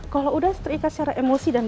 kalau udah terikat secara emosi dan